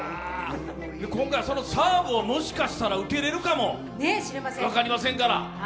今回はそのサーブをもしかしたら受けれるかも分かりませんから。